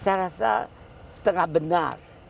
saya rasa setengah benar